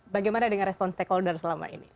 bagaimana dengan respon stakeholder selama ini